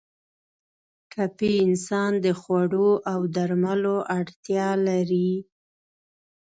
ټپي انسان د خوړو او درملو اړتیا لري.